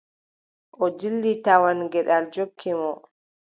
O dilli tawon geɗal jokki mo.